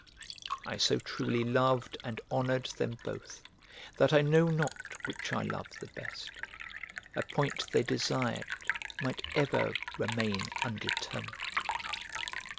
I so truly loved and honoured them both, that I know not which I loved the best; a point they desired might ever remain undetermined.